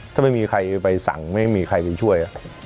ถ้าไม่มีใครไปสั่งไม่มีใครไปช่วย